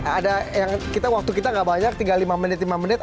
ada yang kita waktu kita gak banyak tinggal lima menit lima menit